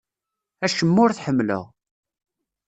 Acemma ur t-ḥemmleɣ.